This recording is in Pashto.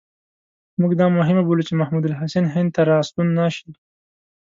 موږ دا مهمه بولو چې محمود الحسن هند ته را ستون نه شي.